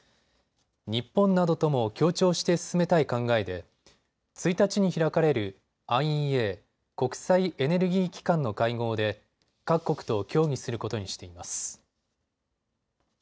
日本などとも協調して進めたい考えで１日に開かれるＩＥＡ・国際エネルギー機関の会合で各国と協議することにしています。